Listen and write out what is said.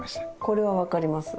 これは分かります。